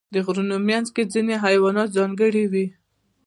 د غرونو منځ کې ځینې حیوانات ځانګړي وي.